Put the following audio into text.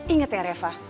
ingat ya reva